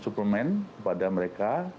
suplemen pada mereka